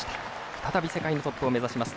再び世界のトップを目指します